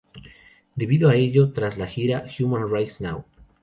Debido a ello, tras la gira Human Rights Now!